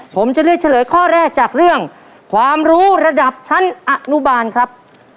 ผมจะเลือกเฉลยข้อแรกจากเรื่องความรู้ระดับชั้นอนุบาลครับ